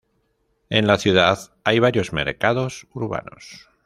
En la ciudad hay varios mercados urbanos.